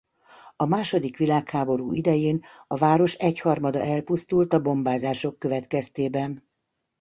A második világháború idején a város egyharmada elpusztult a bombázások következtében.